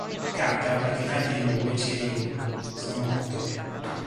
I Kata praticati nello Uechi-ryū sono otto.